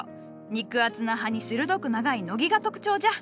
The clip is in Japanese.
肉厚な葉に鋭く長い禾が特徴じゃ。